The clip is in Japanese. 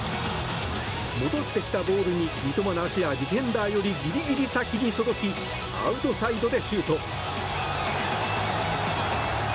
戻ってきたボールに三笘の足はディフェンダーよりギリギリ先に届きアウトサイドでシュート。